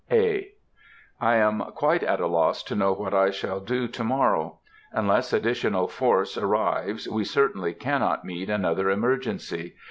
(A.) I am quite at a loss to know what I shall do to morrow. Unless additional force arrives we certainly cannot meet another emergency.